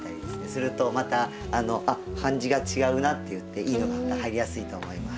するとまたあっ感じが違うなっていっていいのがまた入りやすいと思います。